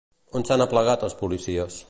On s'han aplegat els policies?